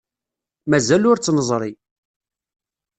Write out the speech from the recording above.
Mazal ur tt-neẓri.